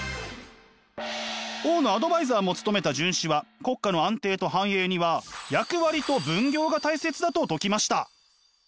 王のアドバイザーも務めた荀子は国家の安定と繁栄には役割と分業が大切だと説きました。